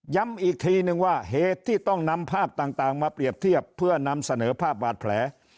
อีกทีนึงว่าเหตุที่ต้องนำภาพต่างมาเปรียบเทียบเพื่อนำเสนอภาพบาดแผล